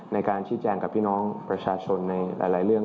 ในการชี้แจงกับพี่น้องประชาชนในหลายเรื่อง